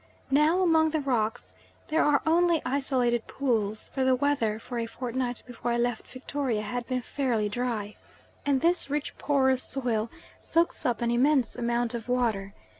Now among the rocks there are only isolated pools, for the weather for a fortnight before I left Victoria had been fairly dry, and this rich porous soil soaks up an immense amount of water.